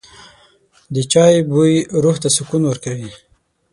د چای بوی روح ته سکون ورکوي.